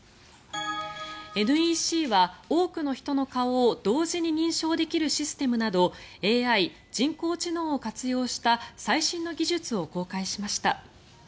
ＮＥＣは多くの人の顔を同時に認証できるシステムなどＡＩ・人工知能を活用した最新の技術を公開しました。